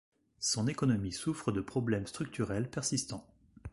Son économie souffre de problèmes structurels persistants.